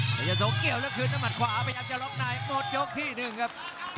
มันจะส่งเกี่ยวแล้วคืนน้ำมัดขวาไปยังจะล๊อคหน้าอย่างหมดยกที่๑ครับ